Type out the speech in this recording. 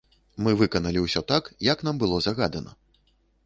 Мы выканалі ўсё так, як нам было загадана.